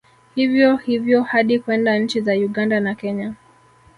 Hivyo hivyo hadi kwenda nchi za Uganda na Kenya